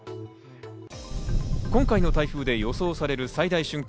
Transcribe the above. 今回の台風で予想される最大瞬間